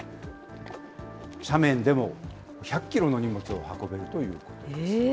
斜面でも１００キロの荷物を運べるということです。